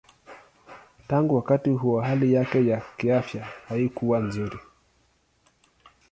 Tangu wakati huo hali yake ya kiafya haikuwa nzuri.